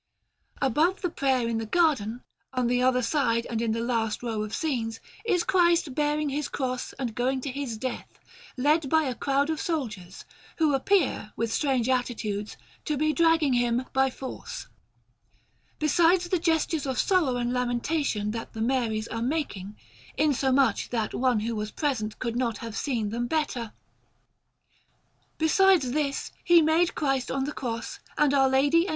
Above the Prayer in the Garden, on the other side and in the last row of scenes, is Christ bearing His Cross and going to His death, led by a crowd of soldiers, who appear, with strange attitudes, to be dragging Him by force; besides the gestures of sorrow and lamentation that the Maries are making, insomuch that one who was present could not have seen them better. Beside this he made Christ on the Cross, and Our Lady and S.